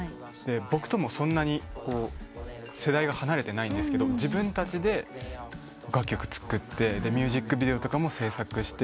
僕ともそんなに世代が離れてないんですけど自分たちで楽曲作ってミュージックビデオとかも制作して。